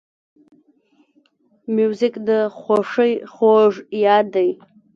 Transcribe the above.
موزیک د خوښۍ خوږ یاد دی.